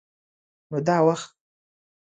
_نو دا وخت؟